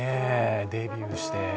デビューして。